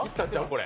これ。